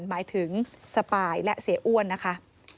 หมายถึงสปายและเสียอ้วนนะคะ